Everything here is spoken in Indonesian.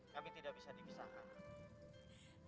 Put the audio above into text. kami tidak bisa dibisarkan